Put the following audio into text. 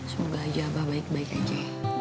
semoga aja abah baik baik aja